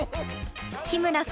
日村さん